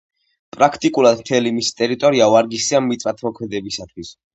პრაქტიკულად მთელი მისი ტერიტორია ვარგისია მიწათმოქმედებისათვის.